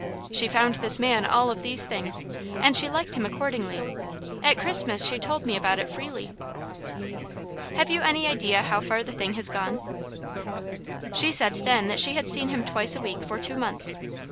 She found this man all of these things, and she liked him accordingly. At Christmas she told me about it freely." "Have you any idea how far the thing has gone?" "She said then that she had seen him twice a week for two months.